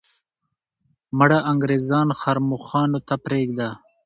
مړه انګریزان ښرموښانو ته پرېږده.